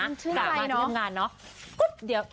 กลับมาที่ง่ายงานเนาะกุ๊บเดี๋ยว